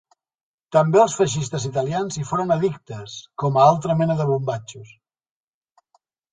També els feixistes italians hi foren addictes, com a altra mena de bombatxos.